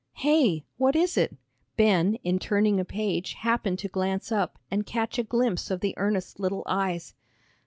"Hey what is it?" Ben in turning a page happened to glance up and catch a glimpse of the earnest little eyes.